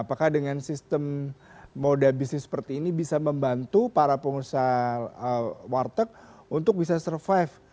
apakah dengan sistem moda bisnis seperti ini bisa membantu para pengusaha warteg untuk bisa survive